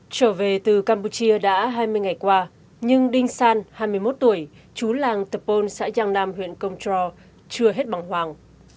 trở về từ campuchia đã hai mươi ngày qua nhưng đinh san hai mươi một tuổi chú làng tepon xã giang nam huyện công tro chưa hết bằng hoàng